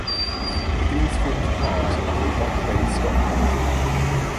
These formed part of the Rattray stop line.